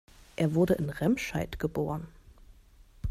Er wurde in Remscheid geboren